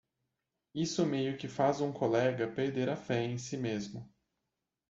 Isso meio que faz um colega perder a fé em si mesmo.